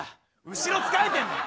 後ろつかえてんだよ！